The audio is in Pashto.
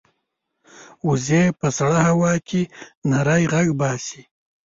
وزې په سړه هوا کې نری غږ باسي